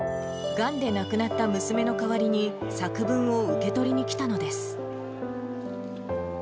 がんで亡くなった娘の代わりに作文を受け取りにきたのです。